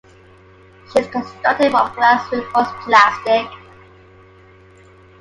She is constructed from glass-reinforced plastic.